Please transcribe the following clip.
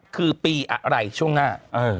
คือปีอะไรช่วงหน้า